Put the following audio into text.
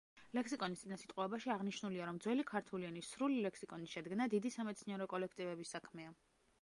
ლექსიკონის წინასიტყვაობაში აღნიშნულია, რომ ძველი ქართული ენის სრული ლექსიკონის შედგენა დიდი სამეცნიერო კოლექტივების საქმეა.